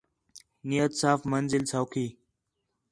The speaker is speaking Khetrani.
نیت صاف منزل سَوکھی